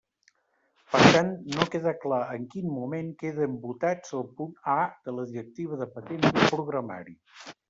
Per tant no queda clar en quin moment queden votats el punt A de la directiva de patents de programari.